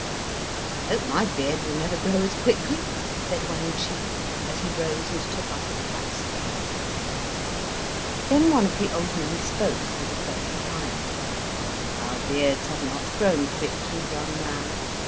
"I hope my beard will never grow as quickly," said Wang Chih, as he rose and took up his axe again. Then one of the old men spoke, for the first time. "Our beards have not grown quickly, young man.